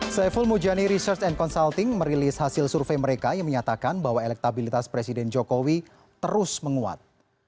saiful mujani research and consulting merilis hasil survei mereka yang menyatakan bahwa elektabilitas presiden jokowi terus menguat